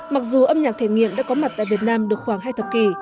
mặc dù âm nhạc thể nghiệm đã có mặt tại việt nam được khoảng hai thập kỷ